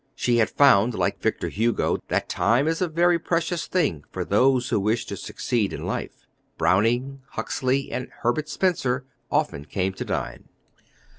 She had found, like Victor Hugo, that time is a very precious thing for those who wish to succeed in life. Browning, Huxley, and Herbert Spencer often came to dine.